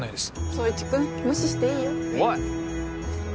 宗一君無視していいよおい！